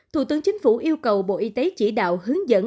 thủ tướng chính phủ yêu cầu bộ y tế chỉ đạo hướng dẫn